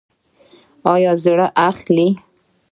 ایا زړه اخلئ؟